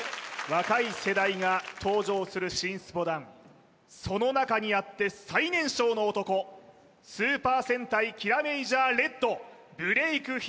若い世代が登場する新スポダンその中にあって最年少の男スーパー戦隊キラメイジャーレッドブレイク